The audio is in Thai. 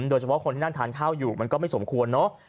โดยเฉพาะคนที่นั่งทานข้าวอยู่มันก็ไม่สมควรเนอะ